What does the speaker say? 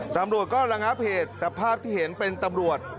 ตำรวจก็ระงับเหตุแต่ภาพที่เห็นเป็นตำรวจ